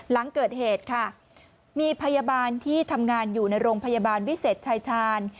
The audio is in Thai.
หลังเกิดเหตุค่ะมีพยาบาลที่ทำงานอยู่ในโรงพยาบาลวิเศษชายชาญ